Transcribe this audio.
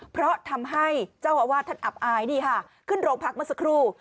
เพราะทำให้เจ้าอาวาสท่านอับอายนี่ค่ะขึ้นโรงพักเมื่อสักครู่